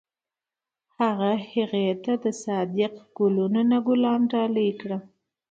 هغه هغې ته د صادق ګلونه ګلان ډالۍ هم کړل.